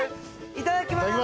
いただきます！